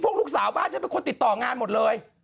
พวกลูกสาวบ้านเช่นคนติดต่องานหมดเลย